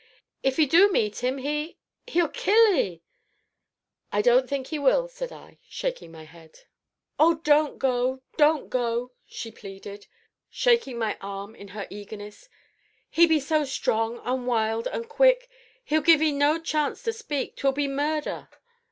if 'ee do meet him, he he'll kill 'ee!" "I don't think he will," said I, shaking my head. "Oh, don't go! don't go!" she pleaded, shaking my arm in her eagerness; "he be so strong and wild and quick he'll give 'ee no chance to speak 'twill be murder!"